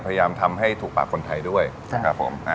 พยายามทำให้ถูกปากคนไทยด้วยครับผม